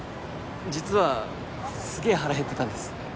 実はすげぇ腹減ってたんです